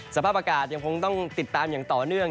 สภาพอากาศยังคงต้องติดตามอย่างต่อเนื่อง